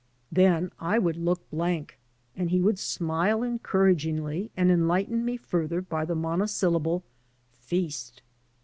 Then I would look blank and he would smile encouragingly and enlighten me fm*ther by the monosyllable "feast.''